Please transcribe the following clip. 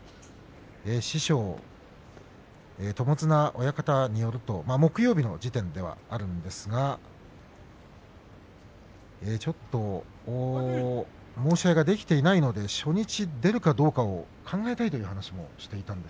師匠、友綱親方によると木曜日の時点では申し合いができていないので初日に出るかどうか考えたいという話をしていました。